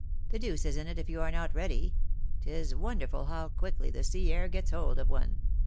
" The deuce is in it if you are not ready. 'Tis wonderful how quickly the sea air gets hold of one."